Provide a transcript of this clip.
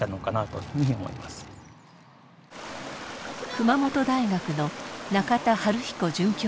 熊本大学の中田晴彦准教授です。